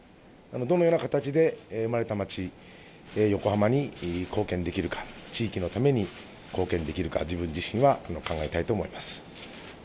どのような形で生まれた町、横浜に貢献できるか、地域のために貢献できるか、自分自身は考えたいと思います。